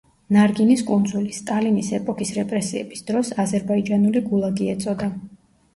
ნარგინის კუნძული, სტალინის ეპოქის რეპრესიების დროს, აზერბაიჯანული გულაგი ეწოდა.